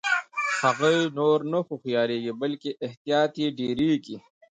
هغوی نور نه هوښیاریږي بلکې احتیاط یې ډیریږي.